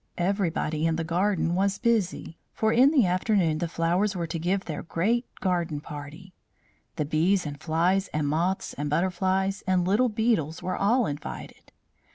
Everybody in the garden was busy, for in the afternoon the flowers were to give their great garden party. The bees and flies and moths and butterflies and little beetles were all invited.